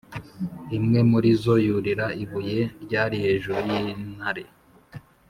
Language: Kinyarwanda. imwe muri zo yurira ibuye ryari hejuru y'intare